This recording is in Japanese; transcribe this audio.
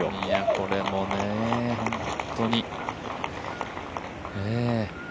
これもね、本当に、ええ。